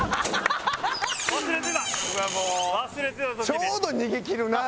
「ちょうど逃げきるな。